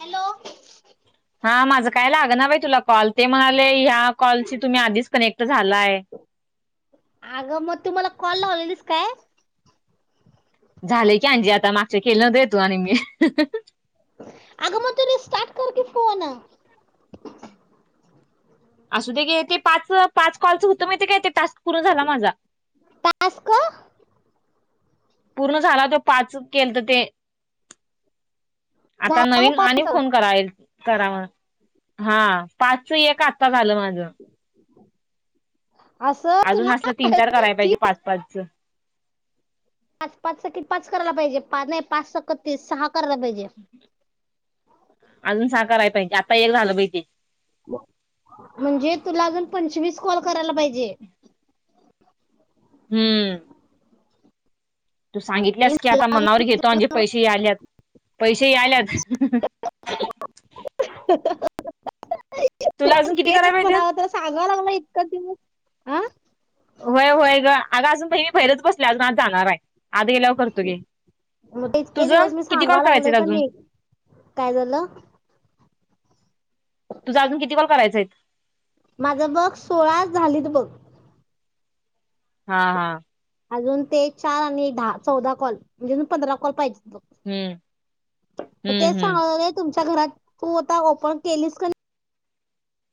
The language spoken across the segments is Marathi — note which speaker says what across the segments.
Speaker 1: हॅलो.
Speaker 2: हा माझं काय लाग ना बाई तुला कॉल, ते म्हणाले ह्या कॉलशी तुम्ही आधीच कनेक्ट झालाय.
Speaker 1: अगं म तु मला कॉल लावलेलीस काय?
Speaker 2: झाले की आंजी आता मागच्या [unintelligible] येतो तु आणि मी.
Speaker 1: आगं म तर स्टार्ट कर की फोन
Speaker 2: असू दे घे ते पाच पाच कॉलचं होतं माहिती आहे काय ते टास्क पूर्ण झाला माझा
Speaker 1: टास्क
Speaker 2: पूर्ण झाला तो पाच केलंत ते आता
Speaker 1: झालं
Speaker 2: नवीन आणि
Speaker 1: पाच
Speaker 2: फोन करायेल. करावा. हा पाचचं एकात आता झालं माझं.
Speaker 1: असं
Speaker 2: अजून
Speaker 1: तुला
Speaker 2: असलं तीन चार करायला
Speaker 1: ती
Speaker 2: पाहिजे पाच पाचचं.
Speaker 1: पाच पाचचा कि पाच करायला पाहिजे, नाही पाच सक तीस सहा करायला पाहिजे
Speaker 2: अजून सहा करायला पाहिजे. आता एक झालं बाई ते.
Speaker 1: म्हणजे तुला अजून पंचवीस कॉल करायला पाहिजे.
Speaker 2: हम्म तू सांगितल्यास की आता मनावर घेतो म्हंजे पैसे यायल्यात, पैसे यायल्यात.
Speaker 1: [unintelligible] व्हय ते
Speaker 2: पाहिजेत?
Speaker 1: तर सांगावं लागला इतकां दिवस. आह.
Speaker 2: व्हय व्हय ग अग अजून मी बाहेर च बसले अजून आत जाणार आहे. आज गेल्यावर करतो गे
Speaker 1: म तेच इतके
Speaker 2: तुझं
Speaker 1: दिवस मी
Speaker 2: किती कॉल
Speaker 1: सांगा लागलोय
Speaker 2: करायचेत
Speaker 1: क
Speaker 2: अजून
Speaker 1: नि काय झालं?
Speaker 2: तुझा अजून किती कॉल करायचायत?
Speaker 1: माझं बग सोळाच झालीत बघ.
Speaker 2: हा हा.
Speaker 1: अजून ते चार आणि दहा चौदा कॉल म्हणजे पंधरा कॉल पाहिजे.
Speaker 2: हम्म
Speaker 1: म तेच
Speaker 2: हम्म हम्म
Speaker 1: सांगा लागलोय तुमचं घरात तू आता ओपन केलीस क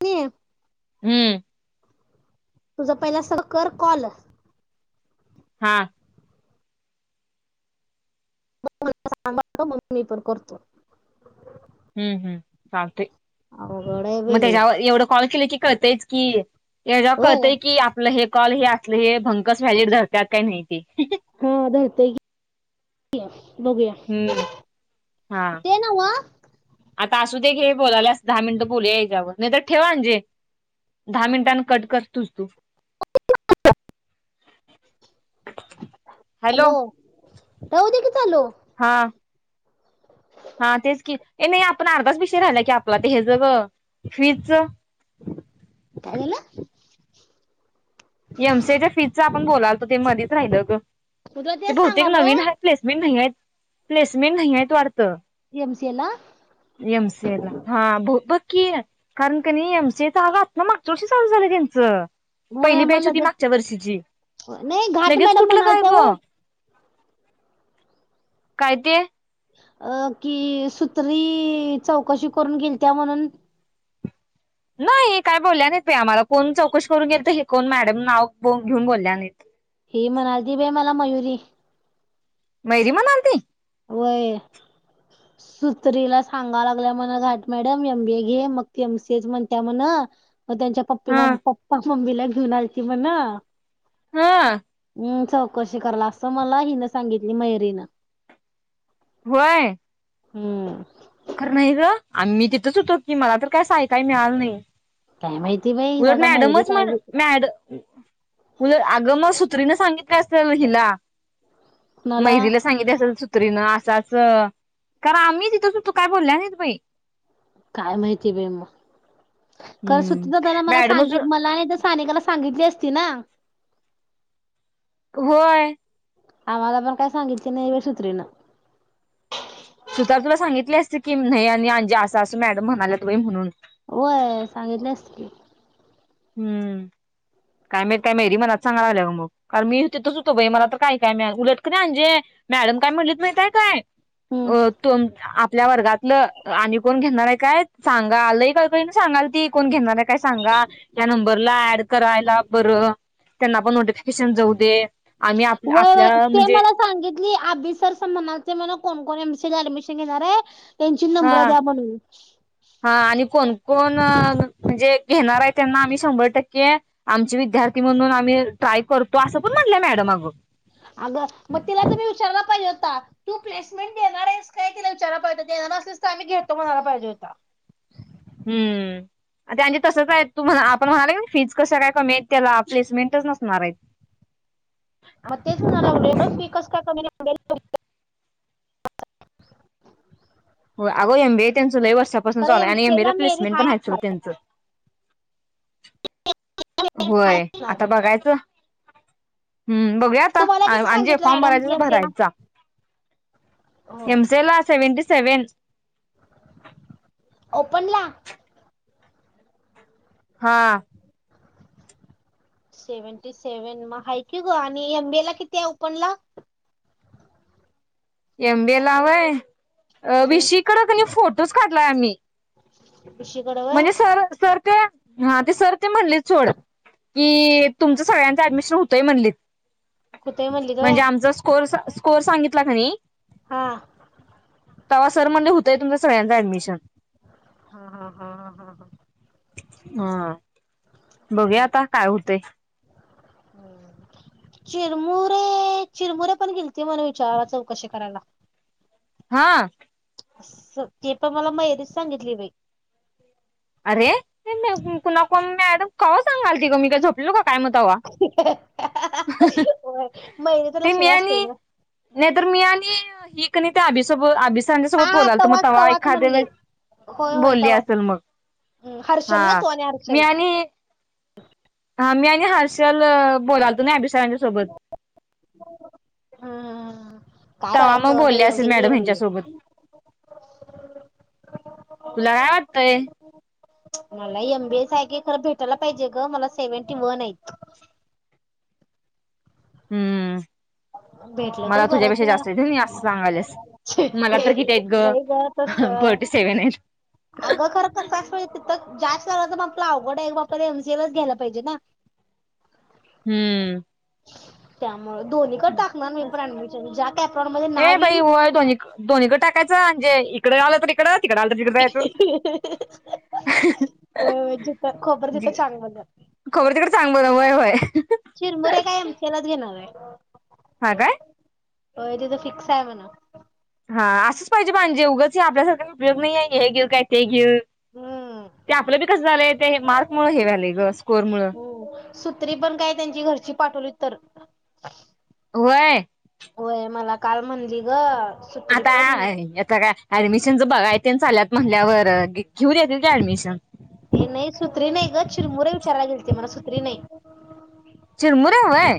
Speaker 1: नी
Speaker 2: हम्म.
Speaker 1: तुझा पहिला सगळ कर कॉल.
Speaker 2: हा.
Speaker 1: मला सांग म मी पण करतो.
Speaker 2: हम्म हम्म सांगते.
Speaker 1: अवघड आहे
Speaker 2: मग
Speaker 1: बेले
Speaker 2: त्याच्यावर एवढं कॉल केलं की तेच की याच्यावर
Speaker 1: होय
Speaker 2: कळतय की आपलं हे कॉल हे असले हे भंकस व्हॅलेट धरतात काही नाही. ते
Speaker 1: हा धर त्यात की बघूया
Speaker 2: हम्म हा
Speaker 1: ते नव्ह.
Speaker 2: आता असू ते घे बोलाल्यास दहा मिनिटं बोलू याच्यावर नाही. तर ठेव अंजे दहा मिनिटांन कट कर तुझ तू.
Speaker 1: हॅलो राहु दे की चालू.
Speaker 2: हा हा तेच की नाही आपण अर्धाच विषय राहिला की आपला तर हे च ग फीजच.
Speaker 1: काय झालं?
Speaker 2: एमसी ए च्या फीजचा आपण बोलालतो ते मध्येच राहिलं ग.
Speaker 1: मी तुला
Speaker 2: ते
Speaker 1: तेच
Speaker 2: बहुतेक नवीन हा
Speaker 1: सांगालोय
Speaker 2: प्लेसमेंट नाही आहे. प्लेसमेंट नाही आहे वाटत य.
Speaker 1: एमसीए ला
Speaker 2: वाट्त एमसीए ला हा कि कारण कणी एमसी ए च अगं आता मागच्या वरशी चालू झालं त्यांचं.
Speaker 1: व्हय
Speaker 2: पहिली बॅच
Speaker 1: मला
Speaker 2: होती मागच्या वर्षीची
Speaker 1: नाही घाट
Speaker 2: लगेच
Speaker 1: मॅडम
Speaker 2: कुठलं काय
Speaker 1: म्हणालत्या
Speaker 2: ग
Speaker 1: व्हय
Speaker 2: काय ते?
Speaker 1: अ कि सुत्री चौकशी करून गेलतिया म्हणून.
Speaker 2: नाही काय बोलल्या नाही आम्हाला कोण चौकशी करून घेल तर हे कोण मॅडम नाव ब घेऊन बोलल्या नाही
Speaker 1: ही म्हणालती बाई मला मयुरी
Speaker 2: मयरी म्हणालती.
Speaker 1: व्हय सुत्रीला सांगा लागल्या म्हण घाट मॅडम एम बीए घे मग ती एम सी एच म्हणत्या म्हण. म त्यांच्या पप्पी
Speaker 2: हा
Speaker 1: मम पप्पा मम्मीला घेऊन आलती म्हण.
Speaker 2: हा.
Speaker 1: हम् चौकशी कराला, असं मला हिनं सांगितली मयरीनं.
Speaker 2: होय.
Speaker 1: हम्म.
Speaker 2: खरं नाही गं आम्ही तिथंच होतो की मला तर काय अस ऐकाय मिळालं नाही.
Speaker 1: काय माहित.
Speaker 2: उलट मॅडमच म्ह मॅड उलट आग मग सुत्रीन सांगितली असेल हिला
Speaker 1: कुणाला
Speaker 2: मैरीला सांगितली असेल सु त्रीन आसं असं कारण आम्ही तिथंच होतु काय बोल्या नाहीत बाई.
Speaker 1: काय माहिती बाई म का सुती दादा ला
Speaker 2: हम्म
Speaker 1: मला
Speaker 2: मॅडमच
Speaker 1: सांगी मला नाही तर सानिकाला सांगितली अस ती ना.
Speaker 2: होय.
Speaker 1: आम्हाला पण काय सांगितली नाही बाई सुत्रीन.
Speaker 2: सुतार तुला सांगितली असती की, नाही आणि आंजे असा असं मॅडम म्हणाल्यात बाई म्हणून.
Speaker 1: होय सांगितली असती की.
Speaker 2: हम् काय मा काय मेरी मलाच सांगा लागल्या मग, कारण मी तिथंच होतो बाई मला तर काय ऐकाय मिळा उलट की नाही अंजे, मॅडम काय म्हणलीत माहीताय हाय काय?
Speaker 1: हम्म
Speaker 2: अ तोम आपल्या वर्गातलं आणि कोण घेणार आहे. काय? सांगा कळकळीन सांगालती. कोण घेणार आहे काय सांगा. या नंबरला ऍड करायला बरं त्यांना पण नोटिफिकेशन जाऊ दे. आम्ही आप
Speaker 1: वय-वय
Speaker 2: आपल्या
Speaker 1: ते
Speaker 2: म्हणजे
Speaker 1: मला सांगित तली, आभी सर असं म्हणालते म्हण 'कोण कोण एम सी ला ऍडमिशन घेणार आहे'--? त्यांची
Speaker 2: हा
Speaker 1: नंबरं द्या म्हणून.
Speaker 2: हा आणि कोण कोण म्हणजे घेणार आहे त्यांना आम्ही शंभर टक्के आमचे विद्यार्थी म्हणून आम्ही ट्राय करतो असं पण म्हटल्या मॅडम अगं.
Speaker 1: अगं मग तिला तुम्ही विचारलं पाहिजेत. या. तू प्लेसमेंट देणार आहेस काय? तिला विचारयला पाहिजे, देणार असलीस तर आम्ही घेतो म्हणायला पाहिजे होता.
Speaker 2: हम्म त्यांज तसच आहे तू म्ह आपण म्हणाल की नी फीज कशा काय कमी आहेत त्याला प्लेसमेंटच नसणार आहेत.
Speaker 1: मग तेच म्हणा लागलोय एवढं फी कसं काय कमी. [inaudible]
Speaker 2: होय अगं एम बी एस त्यांच लय व वर्षापासन
Speaker 1: खरं
Speaker 2: चालुय आणि एम
Speaker 1: एमसीए
Speaker 2: बी ए ला
Speaker 1: मेरिट
Speaker 2: प्लेसमेंट
Speaker 1: हाय
Speaker 2: पण हाइत सोड
Speaker 1: असणार
Speaker 2: त्यांचं.
Speaker 1: हाय
Speaker 2: होय
Speaker 1: असणार
Speaker 2: आता बघायचं. हम बघूया आता
Speaker 1: तुम्हाला किती
Speaker 2: अंजे
Speaker 1: सांगितलं
Speaker 2: फॉर्म
Speaker 1: मॅडम
Speaker 2: भरायच तस
Speaker 1: एमसीए
Speaker 2: भरायचा [inaudible]
Speaker 1: ला
Speaker 2: एम सी ला सेव्हनटी सेव्हन
Speaker 1: ओपनला.
Speaker 2: हा.
Speaker 1: सेव्हनटी सेव्हन मग हाय की ग आणि एम. बी. ए. ला किती आहे ओपनला.
Speaker 2: एम. बी. ए. ला होय. अ विशीकड कणी फोट. तुस काढलाय आम्ही.
Speaker 1: [inaudible] विशीकड होय.
Speaker 2: म्हणजे सर सर ते हा सर ते म्हणलित सोड कि तुमच सगळ्यांचं ऍडमिशन होतय म्हणलीत.
Speaker 1: कुठे म्हणली ग वय?
Speaker 2: म्हणजे आमचा स्कॉर्स. स्कोअर सांगितला का नी.
Speaker 1: हा
Speaker 2: [inaudible] तवा सर म्हंणल होतंय तुमच. सगळ्यांचा ऍडमिशन
Speaker 1: हा हा हा हा हा
Speaker 2: हा बघूया आता काय होतेय
Speaker 1: हम चिरमुरे चिरमुरे पण गेलती म्हण विचाराला चौकशी करायला
Speaker 2: हा
Speaker 1: अस ते पण मला मयरीच सांगितली बाई
Speaker 2: अरे कोणा का सांगाल ती का मी काय झोपल का काय मग तवा हहह
Speaker 1: होय मयुरी तर
Speaker 2: ते मी
Speaker 1: लक्षाला असते
Speaker 2: आणि
Speaker 1: ना
Speaker 2: नहीं तर मी आणि की कणी या अभी सोब आभी
Speaker 1: हा
Speaker 2: यांच्यासोबत
Speaker 1: हा
Speaker 2: बोलालतो मग
Speaker 1: तवाच
Speaker 2: तव्हा
Speaker 1: तवाच
Speaker 2: एखादे
Speaker 1: म्हणली.
Speaker 2: वळेस
Speaker 1: होय होय
Speaker 2: बोलली
Speaker 1: तवाच
Speaker 2: असेल मग
Speaker 1: हर्षल ना तोने हर्षल
Speaker 2: ह हा मी आणि हर्षल बोलालतो ना अभिसाकांच्या सोबत
Speaker 1: हम्म. काय कराय
Speaker 2: तव्हा मग
Speaker 1: कर
Speaker 2: बोलले
Speaker 1: बाई
Speaker 2: असेल मॅडम हच्या
Speaker 1: एमबीए
Speaker 2: सोबत तुला काय वाटतय
Speaker 1: मला एमबीएस आहेी खर भेटायला पाहिजे ग मला सेव्हन वनयत
Speaker 2: हम्म
Speaker 1: भेटलं तर
Speaker 2: मला
Speaker 1: बरंच
Speaker 2: तुझ्यापेक्षा
Speaker 1: आहे.
Speaker 2: जास्त य मी अस सांगालस मला तर किती आहेत
Speaker 1: नाही तस
Speaker 2: ग फोर्टी सेव्हन आहेत
Speaker 1: अगं खरं कसं असतं तिथं जास्त क तर मगला अवघड आहे एक बापत एमसीएलच ग्यायला पाहिजे ना
Speaker 2: हम्म
Speaker 1: त्यामुळे दोन मध्ये
Speaker 2: ए
Speaker 1: नाव येईल
Speaker 2: बाई हो आहे द दोननीकडे टाकायचं म्हणजे इकडे रालं तर इकडेच तिकड आमच्या तिकड जायचो
Speaker 1: होय होय जिथं खोबर तिथं चांगलं
Speaker 2: हो तिकड चांगलं आहे होय होय
Speaker 1: चिरमुरे काय एमसीए लाच घेणार आहे
Speaker 2: हा काय
Speaker 1: हो तिथं फिक्स आहे म्हणा
Speaker 2: हा असंच पाहिजे म्हणजे उगंची आपल्यासारखे उपयोग नाही आहे हे घेऊ काय ते घेऊ
Speaker 1: हम्म
Speaker 2: ते आपलं बी कस झालंय ते मार्क मुळ हे झालंय ग स्कोर मुळ
Speaker 1: सूत्री पण काय त्यांची घरची पाठवलीत तर
Speaker 2: व्हय
Speaker 1: व्हय मला काल म्हणली ग सुत्री
Speaker 2: आता
Speaker 1: पण
Speaker 2: आता काय ऍडमिशन बघाय चालल्यात म्हणल्यावर घेऊन येतील की ऍडमिशन
Speaker 1: हे नाही सुत्री नाही ग चिरमुरे विचारयला गेलती मला सुत्री नाही
Speaker 2: चिरमुर वय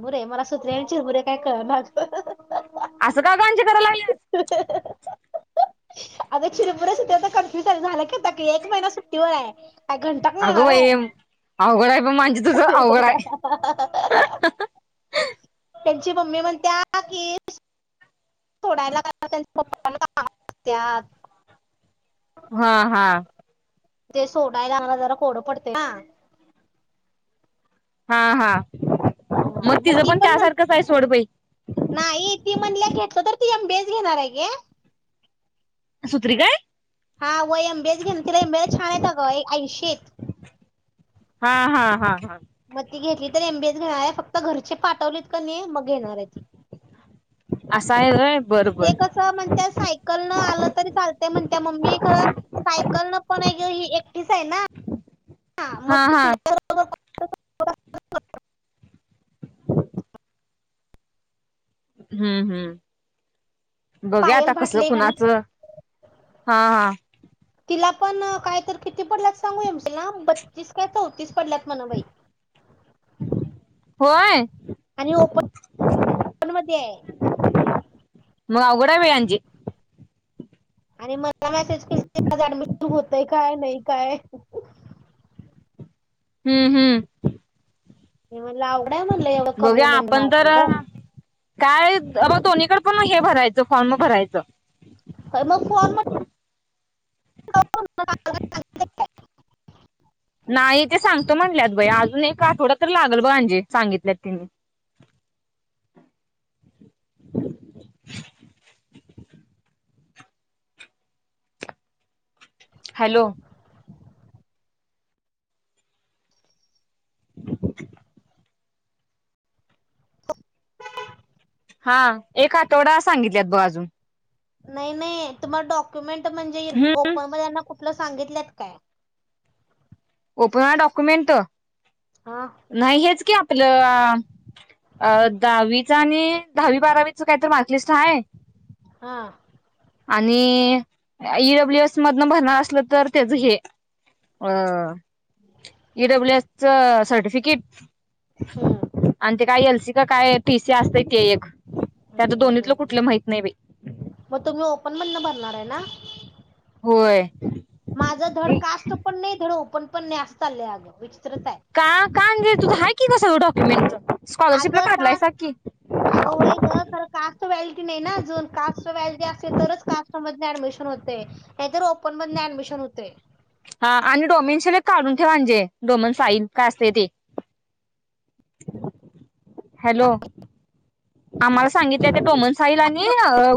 Speaker 1: बर मला सुत्री आणि चिरमुर मला काय कळना
Speaker 2: असं का अंजे करायला लागलीयास
Speaker 1: आग चिरमुर्या आता कम्पलेट झाला की आता एक महिना सुट्टीवर आहे काय घंटाक
Speaker 2: अग
Speaker 1: लावणार आहे
Speaker 2: बाई अवघड आहे ती तुझ अवघड आहे
Speaker 1: त्यांची मम्मी म्हणतिया की सोडायला त्यांचे पप्पा जातात
Speaker 2: हा हा
Speaker 1: ते सोडायला जरा कोड पडतंय ना
Speaker 2: हा हा
Speaker 1: हा मग
Speaker 2: तिचं
Speaker 1: ती पण म्हण
Speaker 2: त्यासारखंच आहे सोड बाई
Speaker 1: नाही ती म्हणल्या घेतलं तसं तर ती एमबी ए घेणार आहे
Speaker 2: सुत्रि काय
Speaker 1: हा व एमबीए घेणार तिला एमबीए छान येत ग ऐंशी आहेत
Speaker 2: हा हा हा हा
Speaker 1: मग ती घेतली तर एमबीए घेणारय फक्त घरचे पाठवलीत का नाही मग घेणार आहेती
Speaker 2: [inaudible]
Speaker 1: ते कस म्हणतीया सायकल न आलं तरी चालत म्हणतिया मम्मी खर सायकल न पण ही एकटीच आहे ना
Speaker 2: हा
Speaker 1: मग
Speaker 2: हा
Speaker 1: तिला [inaudible]
Speaker 2: हम्म हम्म बघूया
Speaker 1: पायल
Speaker 2: आता कस
Speaker 1: भाटले का ना
Speaker 2: कुणाचं हा हा
Speaker 1: तिला पण काय तर किती पडलात सांगू एमश ना बत्तीस काय चौतीस पडल्यात म्हणा बाई
Speaker 2: होय
Speaker 1: आणि ओपन मध्ये आहे
Speaker 2: मग अवघड बाय अंजे
Speaker 1: आणि मला मेसेज केलता ऍडमिशन होतय काय नाही काय
Speaker 2: हम्म हम्म
Speaker 1: मला अवघड हाय म्हणलं एवढं कमी
Speaker 2: बघूया
Speaker 1: म्हणजे
Speaker 2: आपण
Speaker 1: मार्क
Speaker 2: तर
Speaker 1: ग
Speaker 2: काय हे बघ दोन्हीकडे पण हे भरायचं फॉर्म भरायचं
Speaker 1: काय मग फॉर्म [unintelligible]
Speaker 2: नाही ते सांगतो म्हटल्यात बई अजून एक आठवडा तर लागल अंजे सांगितल्यात तिने हॅलो [inaudible] हा एक आठवडा सांगितल्यात ब अजून
Speaker 1: नाही नाही तुम्हाला डॉक्युमेंट म्हणजे
Speaker 2: हम्म
Speaker 1: ओपन कुठलं सांगितलंत काय
Speaker 2: ओपन डॉक्युमेंट
Speaker 1: हा
Speaker 2: नाही हेच की आपलं दहावी आणि दहावी बारावी च काय तर मार्कशीट मार्कलिस्ट हाय
Speaker 1: हा
Speaker 2: आणि ईडब्ल्यू एस मधनं भरणार असलं तर त्याच हे अ इडब्ल्यू एस सर्टिफिकेट
Speaker 1: हम्म.
Speaker 2: तिकीट आणते काय एल सी का काय टी सी असते एक त्याच दोन्हीतलं
Speaker 1: हम्म.
Speaker 2: कुठलं माहित नाही बाई
Speaker 1: मग तुम्ही ओपन मधनं भरणार आहे ना
Speaker 2: होय
Speaker 1: माझं धड कास्ट पण नाही धड ओपन पण पण न्या चाललेग
Speaker 2: का का अंजे आहे की तुझं डोक्युमेंट [inaudible]
Speaker 1: अग का अग होय ग खर कास्ट व्हलटी नाही ना ज कास्ट व्हलटी असते तरच कास्ट म ऍडमिशन होते नाहीतर ओपन ओपन मदन ऍडमिशन होते
Speaker 2: हा आणि डोमनश काढून ठेवा म्हजे डोमन फाईल का असते ते हॅलो आम्हाला सांगितलं डोमन फाईल आणि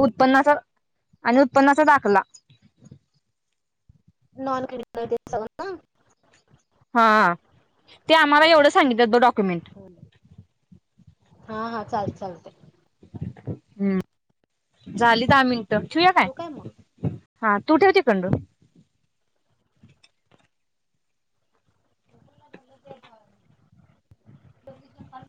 Speaker 2: उत्पन्ना आणि उत्पन्ना दा [inaudible]
Speaker 1: नॉन क्रिमिनल ते सगळ्यांना
Speaker 2: हा ते आम्हाला एवढं सांगितलं डॉक्युमेंट
Speaker 1: हा हा चालत चालतय
Speaker 2: हम्म झाली दामीन [unintelligible] ठूया
Speaker 1: ठेवू मग?
Speaker 2: काय हा तू ठेव तिकंड
Speaker 1: [inaudible]